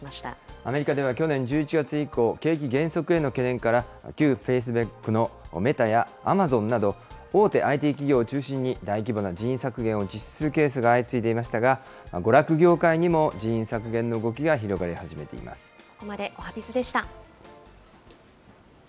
アメリカでは去年１１月以降、景気減速への懸念から、旧フェイスブックのメタやアマゾンなど、大手ＩＴ企業を中心に、大規模な人員削減を実施するケースが相次いでいましたが、娯楽業界にも人員削減の動きが広がり始めていまここまでおはＢｉｚでした。